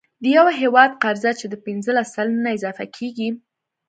د یو هیواد قرضه چې د پنځلس سلنې نه اضافه کیږي،